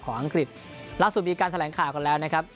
ของอังกฤษลักษณวิตการแสดงข่าวก่อนแล้วนะครับ